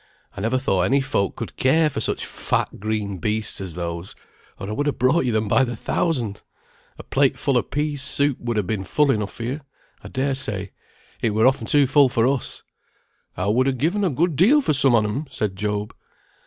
I never thought any folk could care for such fat green beasts as those, or I would ha' brought you them by the thousand. A plate full o' peas soup would ha' been full enough for you, I dare say; it were often too full for us." "I would ha' given a good deal for some on 'em," said Job.